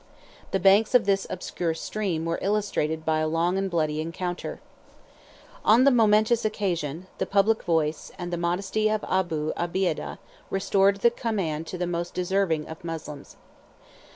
74 The banks of this obscure stream were illustrated by a long and bloody encounter. 7411 On this momentous occasion, the public voice, and the modesty of Abu Obeidah, restored the command to the most deserving of the Moslems.